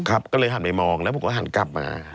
ก็เลยหันไปมองแล้วผมก็หันกลับมา